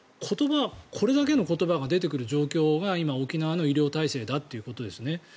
これだけの言葉が出てくる状況が今、沖縄の医療体制だということですね。